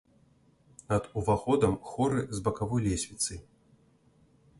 Над уваходам хоры з бакавой лесвіцай.